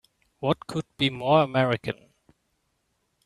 What could be more American!